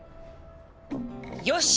よし！